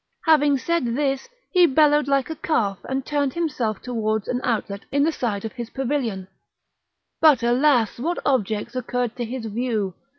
Having said this, he bellowed like a calf and turned himself towards an outlet in the side of his pavilion; but, alas! what objects occurred to his view!